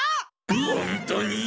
ほんとに？